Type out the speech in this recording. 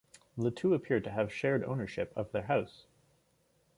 The two appear to have shared ownership of their house.